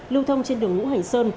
lưu thông trên đường ngũ hành sơn